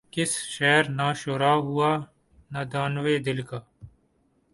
کس شہر نہ شہرہ ہوا نادانئ دل کا